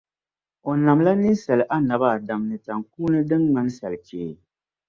O namla ninsala Annabi Adam ni taŋkuuni din ŋmani salichee.